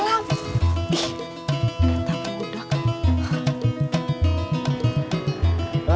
ih ketamu udah kan